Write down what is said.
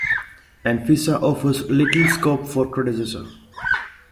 And Fiza offers little scope for criticism.